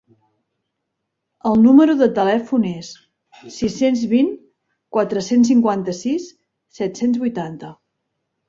El número de telèfon és: sis-cents vint quatre-cents cinquanta-sis set-cents vuitanta.